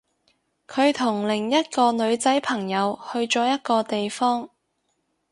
佢同另一個女仔朋友去咗一個地方